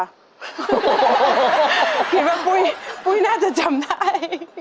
เห็นไหมปุ้ยปุ้ยน่าจะจำได้